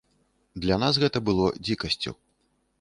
Для нас гэта было дзікасцю.